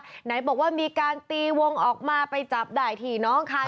ไหนบอกว่ามีการตีวงออกมาไปจับได้ที่น้องคาย